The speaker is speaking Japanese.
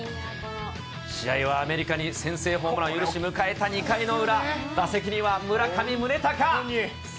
試合はアメリカに先制ホームランを許し、迎えた２回の裏、打席には村上宗隆。